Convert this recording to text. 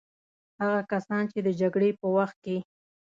هغه کسان چې د جګړې په وخت کې.